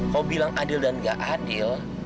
kau bilang adil dan gak adil